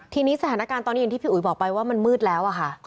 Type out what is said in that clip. ทีนี้สถานการณ์ตอนนี้อย่างที่พี่อุ๋ยบอกไปว่ามันมืดแล้วอะค่ะ